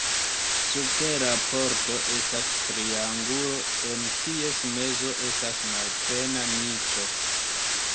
Super la pordo estas triangulo, en ties mezo estas malplena niĉo.